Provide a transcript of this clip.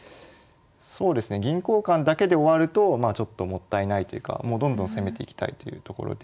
そうですね銀交換だけで終わるとちょっともったいないというかもうどんどん攻めていきたいというところで。